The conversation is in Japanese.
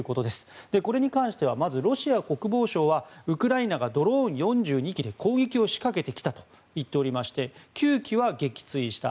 これに関してはまずロシア国防省はウクライナがドローン４２機で攻撃を仕掛けてきたと言っておりまして９機は撃墜した。